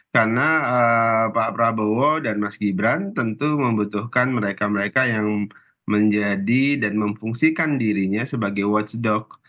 karena pak prabowo dan mas gibran tentu membutuhkan mereka mereka yang menjadi dan memfungsikan dirinya sebagai watchdog